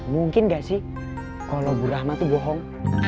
mungkin gak sih kalo bu rahmat itu bohong